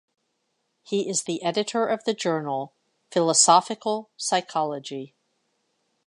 He is the editor of the journal "Philosophical Psychology".